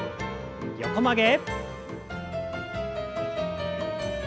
横曲げ。